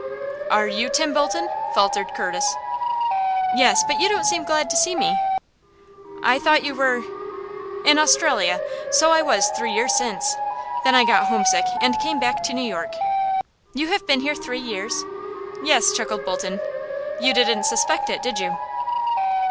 "Are you Tim Bolton?" faltered Curtis. "Yes; but you don't seem glad to see me?" "I thought you were " "In Australia. So I was three years since. Then I got homesick, and came back to New York." "You have been here three years?" "Yes," chuckled Bolton. "You didn't suspect it, did you?"